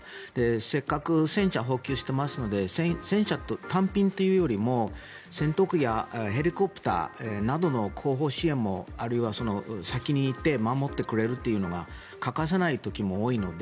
せっかく戦車を補給していますので戦車単品というよりも戦闘機やヘリコプターなどの後方支援も、あるいは先に行って守ってくれるというのが欠かせない時も多いので。